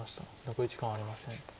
残り時間はありません。